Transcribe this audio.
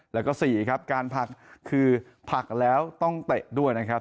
แล้วก็๔ครับการผักคือผักแล้วต้องเตะด้วยนะครับ